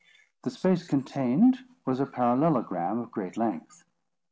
The space contained was a parallelogram of great length.